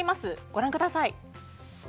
ご覧ください。